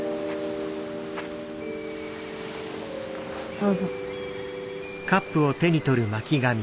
どうぞ。